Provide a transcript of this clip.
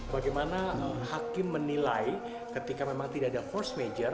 bagaimana hakim menilai ketika memang tidak ada force major